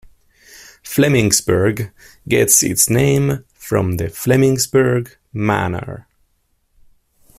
Flemingsberg gets its name from the Flemingsberg manor.